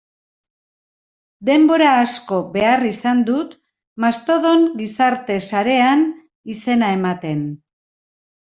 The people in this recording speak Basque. Denbora asko behar izan dut Mastodon gizarte sarean izena ematen.